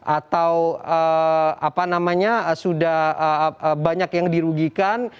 atau apa namanya sudah banyak yang dirugikan